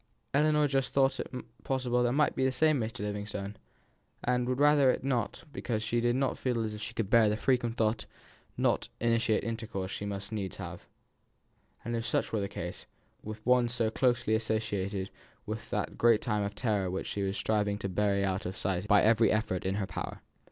Ellinor just thought it possible it might be the same Mr. Livingstone, and would rather it were not, because she did not feel as if she could bear the frequent though not intimate intercourse she must needs have, if such were the case, with one so closely associated with that great time of terror which she was striving to bury out of sight by every effort in her power.